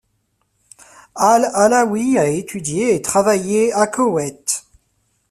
Al-Alawi a étudié et travaillé à Koweït.